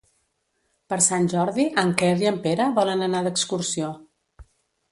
Per Sant Jordi en Quer i en Pere volen anar d'excursió.